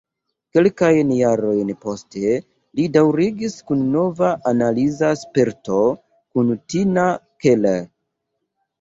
Kelkajn jarojn poste, li daŭrigis kun nova analiza sperto kun Tina Keller.